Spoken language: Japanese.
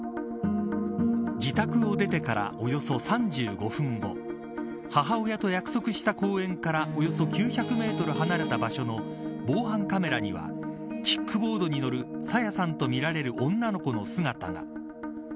自宅を出てからおよそ３５分後母親と約束した公園からおよそ９００メートル離れた場所の防犯カメラにはキックボードに乗る朝芽さんとみられる女の子の姿が。